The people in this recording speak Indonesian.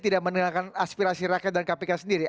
tidak mendengarkan aspirasi rakyat dan kpk sendiri